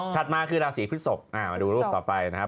มาคือราศีพฤศพมาดูรูปต่อไปนะครับ